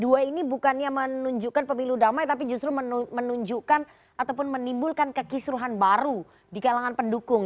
hanya menunjukkan pemilu damai tapi justru menunjukkan ataupun menimbulkan kekisruhan baru di kalangan pendukung